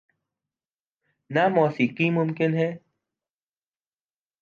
نہ موسیقی ممکن ہے۔